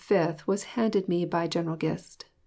5 was handed me by General Gist.